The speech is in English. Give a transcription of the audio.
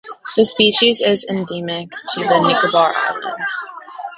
The species is endemic to the Nicobar Islands.